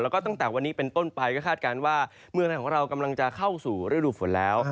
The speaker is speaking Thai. แล้วก็ตั้งแต่วันนี้เป็นต้นไปก็คาดการณ์ว่าเมืองไทยของเรากำลังจะเข้าสู่ฤดูฝนแล้ว